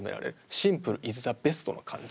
シンプルイズザベストの感じ。